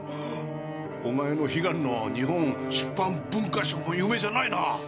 お前の悲願の日本出版文化賞も夢じゃないなぁ！